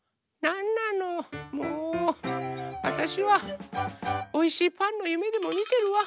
あたしはおいしいパンのゆめでもみてるわ。